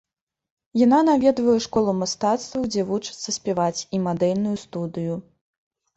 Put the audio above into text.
Яна наведвае школу мастацтваў, дзе вучыцца спяваць, і мадэльную студыю.